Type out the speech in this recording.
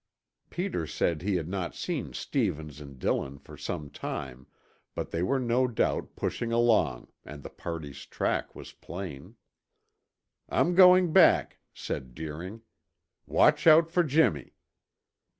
Peter said he had not seen Stevens and Dillon for some time, but they were no doubt pushing along and the party's track was plain. "I'm going back," said Deering. "Watch out for Jimmy."